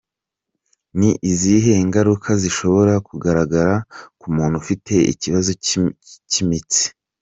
Ni izihe ngaruka zishobora kugaragara ku muntu ufite ikibazo cy’imitsi?.